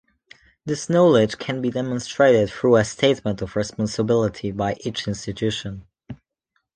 This knowledge can be demonstrated through a statement of responsibility by each institution.